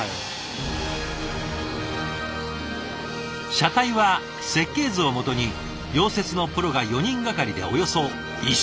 車体は設計図を基に溶接のプロが４人がかりでおよそ１週間。